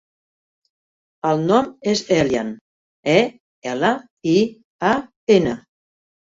El nom és Elian: e, ela, i, a, ena.